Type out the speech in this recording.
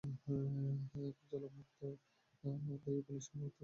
এখন চালককে মুক্ত, দায়ী পুলিশ কর্মকর্তাদের প্রত্যাহার করলেই ধর্মঘট প্রত্যাহার করা হবে।